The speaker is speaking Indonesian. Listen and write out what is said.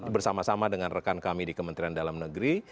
bersama sama dengan rekan kami di kementerian dalam negeri